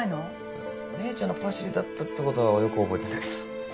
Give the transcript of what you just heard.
いや姉ちゃんのパシリだったってことはよく覚えてたけど。